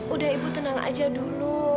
udah ibu tenang aja dulu